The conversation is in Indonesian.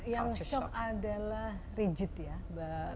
yang shock adalah rigid ya